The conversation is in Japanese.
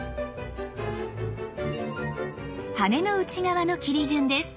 羽の内側の切り順です。